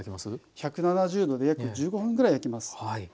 １７０℃で約１５分ぐらい焼きます。